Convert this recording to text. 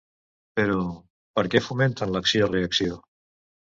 Però, per què fomenten l’acció-reacció?